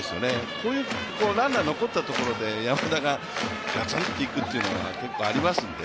こういうランナー残ったところで山田がガツンといくというのが結構ありますので。